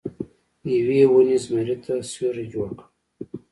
یوې ونې زمري ته سیوری جوړ کړ.